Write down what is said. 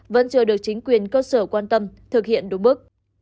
vẫn chưa được chính quyền cơ sở quan tâm thực hiện đúng bước